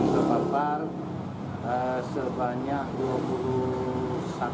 terpapar sebanyak dua puluh satu